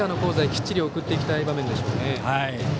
きっちり送りたい場面でしょうね。